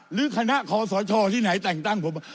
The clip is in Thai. หรือคณะคอสชที่ไหนแต่งตั้งผม